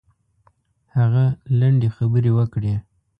هغه لنډې خبرې وکړې.